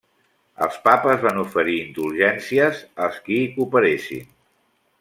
Els papes van oferir indulgències als qui hi cooperessin.